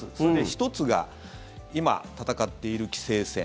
１つが今、戦っている棋聖戦。